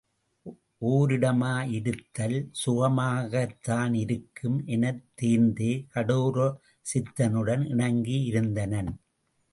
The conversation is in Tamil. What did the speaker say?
ஒரிடமா யிருத்தல் சுகமாகத்தான் இருக்கும் எனத் தேர்ந்து கடோர சித்தனுடன் இணங்கி இருந்தனன்.